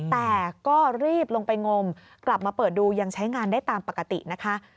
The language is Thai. แต่ก็รีบลงไปงมกลับมาเปิดดูยังใช้งานได้ตามปกตินะคะ